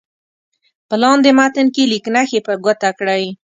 په لاندې متن کې لیک نښې په ګوته کړئ.